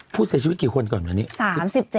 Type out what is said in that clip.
ผู้เสียชีวิตกี่คนก่อนวันนี้